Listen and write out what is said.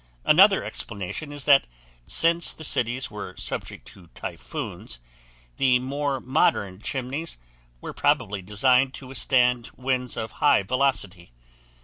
Another explanation is that since the cities were subject to typhoons the more modern chimneys were probably designed to withstand winds of high velocity.